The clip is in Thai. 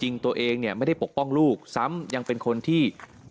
ให้ข้อมูลบอกว่าวัดเนี่ยมีมาตรการในการดูแลความปลอดภัย